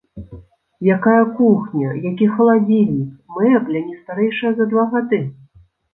Якая кухня, які халадзільнік, мэбля не старэйшая за два гады.